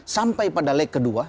sampai pada lag kedua